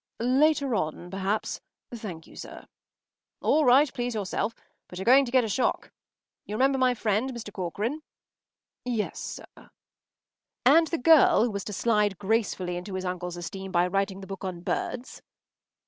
” “Later on, perhaps, thank you, sir.” “All right. Please yourself. But you’re going to get a shock. You remember my friend, Mr. Corcoran?” “Yes, sir.” “And the girl who was to slide gracefully into his uncle’s esteem by writing the book on birds?